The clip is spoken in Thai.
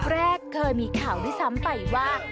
แรกเคยมีข่าวด้วยซ้ำไปว่า